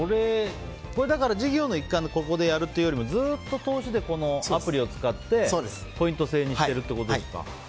授業の一環でここでやるというよりずっと通しでこのアプリを使ってポイント制にしてるってことですか。